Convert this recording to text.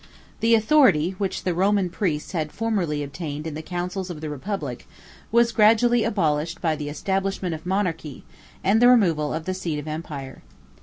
The authority, which the Roman priests had formerly obtained in the counsels of the republic, was gradually abolished by the establishment of monarchy, and the removal of the seat of empire.